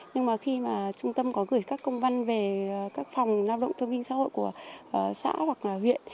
nhưng mà khi mà trung tâm có gửi các công văn về các phòng lao động thương binh xã hội của xã hoặc là huyện